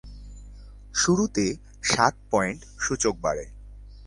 শুরুতে সাত পয়েন্ট সূচক বাড়ে।